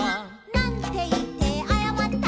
「なんていってあやまった？」